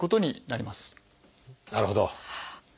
なるほど。